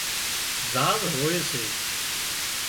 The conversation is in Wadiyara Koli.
زاز هوئي سي